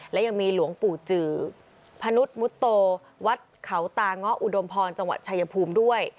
และยังมีหลวงปู่จือพนุษยมุตโตวัดเขาตาเงาะอุดมพรจังหวัดชายภูมิด้วย